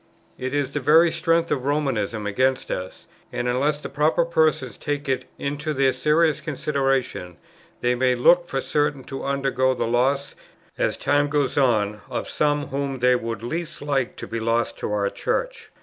It is the very strength of Romanism against us; and, unless the proper persons take it into their serious consideration, they may look for certain to undergo the loss, as time goes on, of some whom they would least like to be lost to our Church."